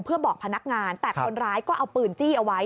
เพื่อบอกพนักงานแต่คนร้ายก็เอาปืนจี้เอาไว้